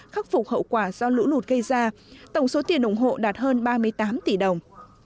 khắc phục hậu quả do lũ lụt gây ra tổng số tiền ủng hộ đạt hơn ba mươi tám tỷ đồng